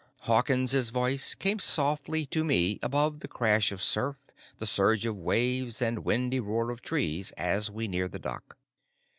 Hawkins' voice came softly to me above the crash of surf, the surge of waves and windy roar of trees as we neared the dock.